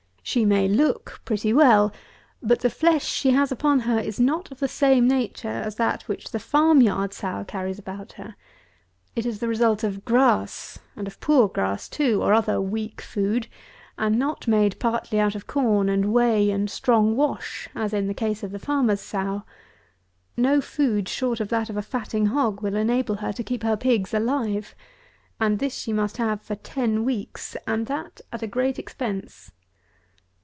She may look pretty well; but the flesh she has upon her is not of the same nature as that which the farm yard sow carries about her. It is the result of grass, and of poor grass, too, or other weak food; and not made partly out of corn and whey and strong wash, as in the case of the farmer's sow. No food short of that of a fatting hog will enable her to keep her pigs alive; and this she must have for ten weeks, and that at a great expense.